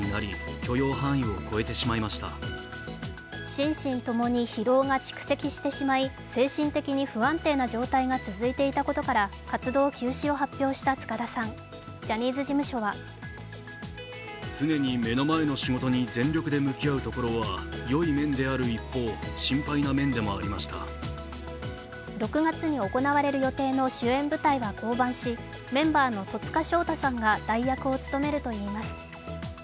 心身ともに疲労が蓄積してしまい、精神的に不安定な状態が続いていたことから活動休止を発表した塚田さん、ジャニーズ事務所は６月に行われる予定の主演舞台は降板し、メンバーの戸塚祥太さんが代役を務めるといいます。